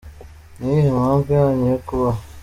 Ni iyihe mpamvu yanyu yo kubaho?